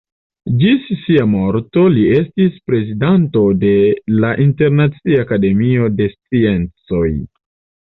Ĝis sia morto li estis prezidanto de la Internacia Akademio de Sciencoj.